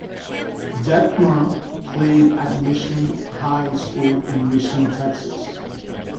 Detmer played at Mission High School, in Mission, Texas.